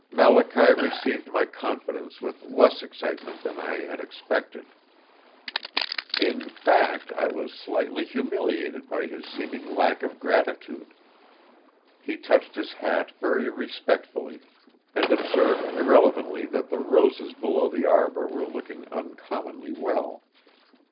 Malachy received my confidence with less excitement than I had expected. In fact I was slightly humiliated by his seeming lack of gratitude. He touched his hat very respectfully, and observed irrelevantly that the roses below the arbor were looking uncommonly well.